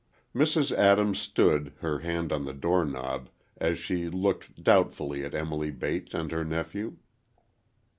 Mrs. Adams stood, her hand on the doorknob, as she looked doubtfully at Emily Bates and her nephew.